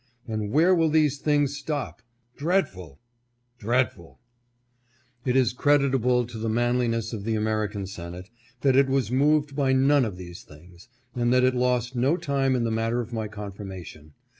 and where will these things stop ? Dreadful ! Dreadful ! It is creditable to the manliness of the American Senate, that it was moved by none of these things, and that it lost no time in the matter of my confirmation.